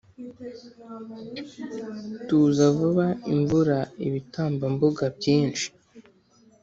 Tuzavuba imvura Ibitambambuga byinshi